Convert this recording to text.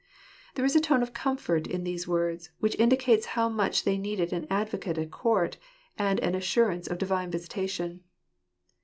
There is a tone of comfort in these words, which indicates how much they needed an advocate at court, and an assurance of Divine visitation.